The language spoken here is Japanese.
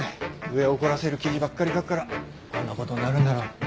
上怒らせる記事ばっかり書くからこんなことになるんだろ。